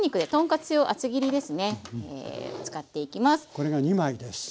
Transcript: これが２枚です。